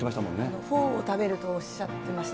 フォーを食べるとおっしゃってました、